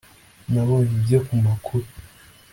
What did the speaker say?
Nabonye ibyo ku makuru